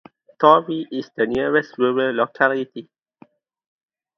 Tory is the nearest rural locality.